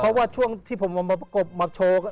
เพราะว่าช่วงที่ผมเอามาประกบมาโชว์